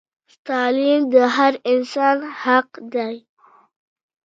تعلیم د هر انسان حق دی